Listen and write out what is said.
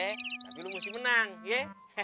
tapi lu mesti menang ye